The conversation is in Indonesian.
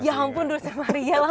ya ampun dosa maria lah